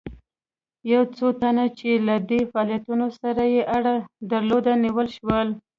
یو څو تنه چې له دې فعالیتونو سره یې اړه درلوده ونیول شول.